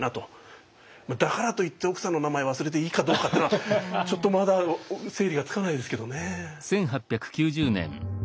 だからといって奥さんの名前忘れていいかどうかっていうのはちょっとまだ整理がつかないですけどね。